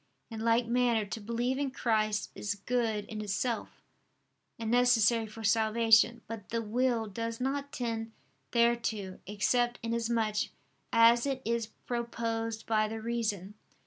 In like manner, to believe in Christ is good in itself, and necessary for salvation: but the will does not tend thereto, except inasmuch as it is proposed by the reason.